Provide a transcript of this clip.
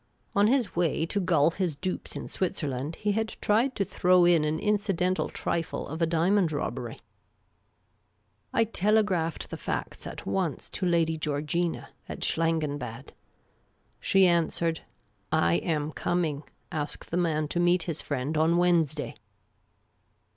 On his way to gull his dupes in Switzerland, he had tried to throw in an incidental trifle of a diamond robbery. THE COUNT. I telegraphed the facts at once to Lady Georgina, at Schlangenbad. She answered :" I am coming. Ask the man to meet his friend on Wednesday."